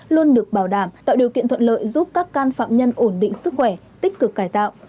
luôn được bảo đảm tạo điều kiện thuận lợi giúp các can phạm nhân ổn định sức khỏe tích cực cải tạo